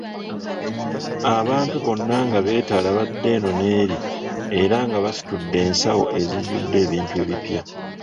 Abantu bonna nga beetala badda eno n'eri era nga basitudde ensawo ezijudde ebintu ebipya.